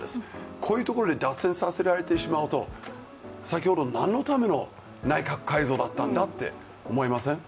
こういうところで脱線させられてしまうと先ほど、何のための内閣改造だったんだって思いません？